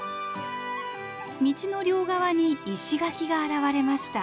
道の両側に石垣が現れました。